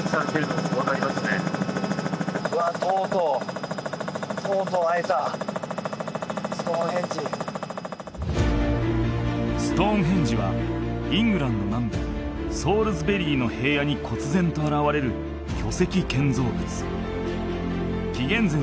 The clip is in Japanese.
とうとうストーンヘンジはイングランド南部ソールズベリーの平野に忽然と現れる巨石建造物紀元前